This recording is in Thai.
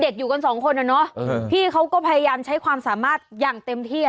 อยู่กันสองคนอ่ะเนอะพี่เขาก็พยายามใช้ความสามารถอย่างเต็มที่อ่ะ